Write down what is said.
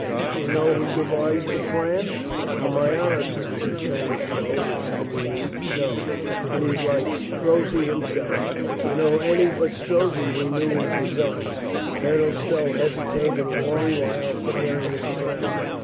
"Do you know who devised the plan?" "On my honor, sir," said Colonel Stow, with some relief, "no. It is like Strozzi himself." "Do you know any but Strozzi who knew his de sign?" Colonel Stow hesitated a long while, staring at the ground.